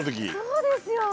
そうですよ！